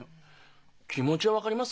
気持ちは分かります